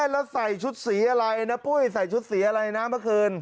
แล้วใส่ชุดสีอะไรนะปุ้ยใส่ชุดสีอะไรนะเมื่อคืน